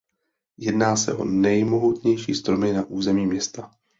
Jedná se o nejmohutnější stromy na území města.